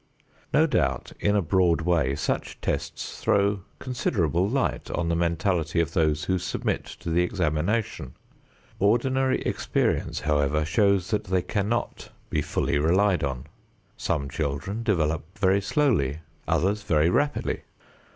No doubt in a broad way such tests throw considerable light on the mentality of those who submit to the examination. Ordinary experience, however, shows that they cannot be fully relied on. Some children develop very slowly, others very rapidly.